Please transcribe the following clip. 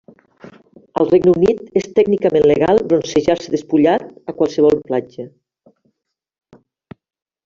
Al Regne Unit, és tècnicament legal bronzejar-se despullar a qualsevol platja.